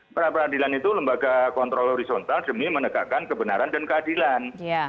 peradilan itu lembaga kontrol horizontal demi menegakkan kebenaran dan keadilan